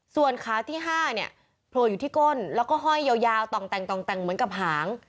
ส่วนขาที่๕เนี่ยโผล่อยู่ที่ก้นแล้วก็ห้อยยาวต่องแต่งเหมือนกับหาง